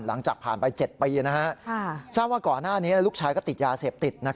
หลังจากผ่านไป๗ปีทราบว่าก่อนหน้านี้ลูกชายก็ติดยาเสพติด